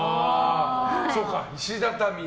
そうか、石畳。